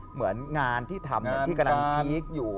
เหมือนงานที่ทำที่กำลังพีคอยู่